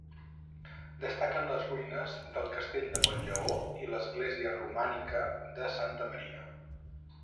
Destaquen les ruïnes del Castell de Montlleó i l'església romànica de Santa Maria.